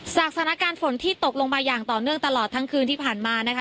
สถานการณ์ฝนที่ตกลงมาอย่างต่อเนื่องตลอดทั้งคืนที่ผ่านมานะคะ